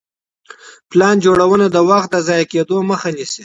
پلان جوړونه د وخت د ضايع کيدو مخه نيسي.